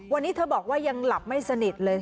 วันนี้เธอบอกว่ายังหลับไม่สนิทเลย